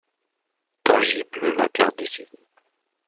Tangible la terre d'ici.